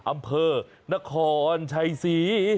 อำเภอนครชัยศรี